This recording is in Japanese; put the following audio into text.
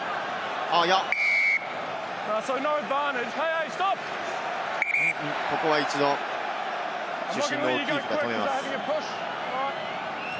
いや、ここは一度、主審のオキーフが止めます。